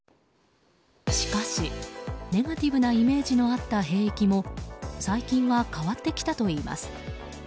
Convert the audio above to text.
しかし、ネガティブなイメージのあった兵役も最近は変わってきたといいます。